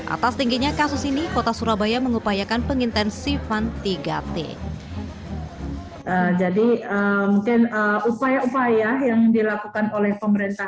atas tingginya kasus ini kota surabaya mengupayakan pengintensifan tiga t